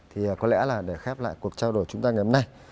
thì có lẽ là để khép lại cuộc trao đổi chúng ta ngày hôm nay